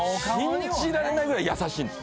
信じられないぐらい優しいんです。